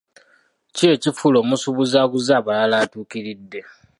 Ki ekifuula omusuubuzi aguza abalala atuukiridde?